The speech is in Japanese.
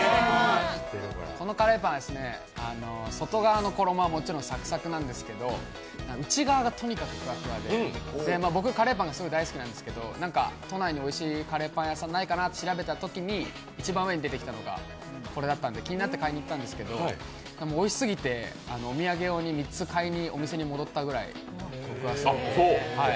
このカレーパンは外側の衣はもちろんサクサクなんですが内側がとにかくフワフワで僕、カレーパンがすごい大好きなんですけどなんか都内においしいカレーパン屋さんないかなって調べたときに一番上に出てきたのがこれだったので気になって買いにいったんですけどおいしすぎて、お土産用に３つ買いに戻ったくらい僕はすごく。